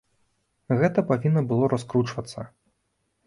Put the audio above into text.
Гэта павінна было раскручвацца.